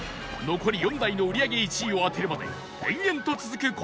残り４台の売り上げ１位を当てるまで延々と続く